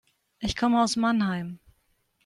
Ich komme aus Mannheim